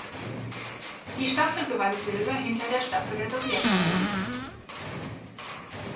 Die Staffel gewann Silber hinter der Staffel der Sowjetunion.